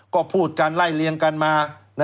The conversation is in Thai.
ก็พูดกันไล่เลียงกันมา